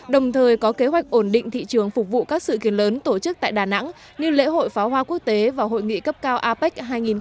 đồng thời có kế hoạch ổn định thị trường phục vụ các sự kiện lớn tổ chức tại đà nẵng như lễ hội pháo hoa quốc tế và hội nghị cấp cao apec hai nghìn hai mươi